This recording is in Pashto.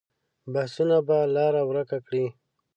بحثونه به لاره ورکه کړي.